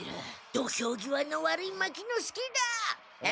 土俵際の悪い牧之介だ。え？